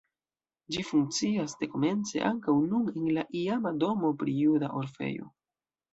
Ĝi funkcias dekomence ankaŭ nun en la iama domo pri juda orfejo.